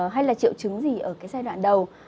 hay là triệu chứng gì ở cái giai đoạn đầu